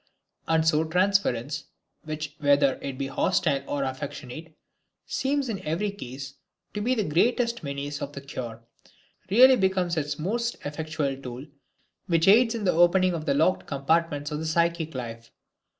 And so transference, which whether it be hostile or affectionate, seems in every case to be the greatest menace of the cure, really becomes its most effectual tool, which aids in opening the locked compartments of the psychic life.